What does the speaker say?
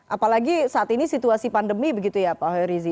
apalagi saat ini situasi pandemi begitu ya pak herizi